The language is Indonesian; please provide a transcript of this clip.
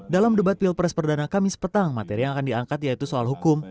dalam debat pilpres perdana kamis petang materi yang akan diangkat yaitu soal hukum